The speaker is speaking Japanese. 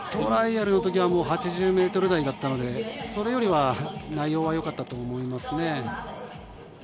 トライアルのときは８ｍ台だったので、それよりは内容は良かったと思いますね。